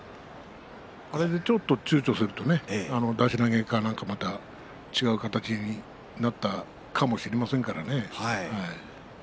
あれでちょっとちゅうちょすると出し投げとか違う形になったかもしれませんからね。